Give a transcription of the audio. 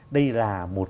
đây là một